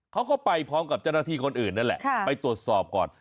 เขาก็ไปพร้อมกับเจ้าหน้าที่คนอื่นนั่นแหละไปตรวจสอบก่อน